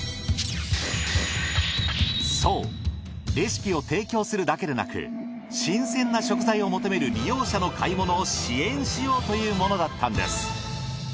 そうレシピを提供するだけでなく新鮮な食材を求める利用者の買い物を支援しようというものだったのです。